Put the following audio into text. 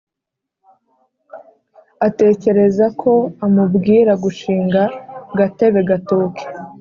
atekereza ko amubwira gushinga gatebe gatoke.